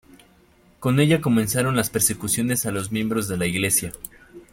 Con ella comenzaron las persecuciones a los miembros de la Iglesia.